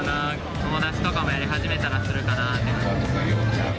友達とかもやり始めたらするかなって感じですかね。